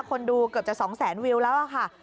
คนดูเกือบจะ๒แสนวิวแล้วค่ะ